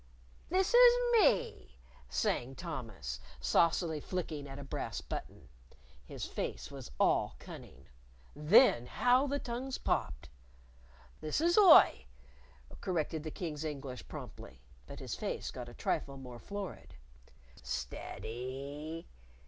"This is me!" sang Thomas, saucily flicking at a brass button. His face was all cunning. Then how the tongues popped! "This is I!" corrected the King's English promptly. But his face got a trifle more florid. "Steady!"